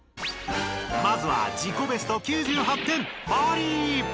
まずは自己ベスト９８点マリイ！